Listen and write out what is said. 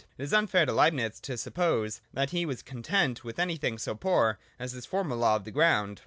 It is unfair to Leibnitz to sup pose that he was content with anything so poor as this formal law of the ground.